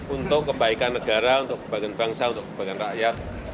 untuk kebaikan negara untuk kebanyakan bangsa untuk kebanyakan rakyat